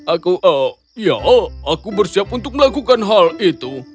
aku eh ya aku bersiap untuk melakukan hal itu